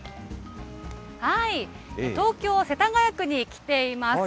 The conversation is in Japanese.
東京・世田谷区に来ています。